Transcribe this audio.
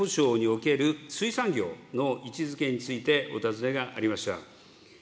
そして、食料安全保障における水産業の位置づけについてお尋ねがありました。